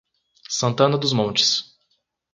Santana dos Montes